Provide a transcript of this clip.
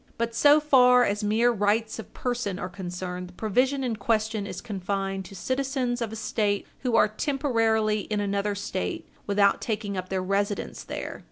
But so far as mere rights of person are concerned, the provision in question is confined to citizens of a State who are temporarily in another State without taking up their residence there.